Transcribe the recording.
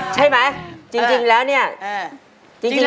ใช่ไหมจริงแล้วนี่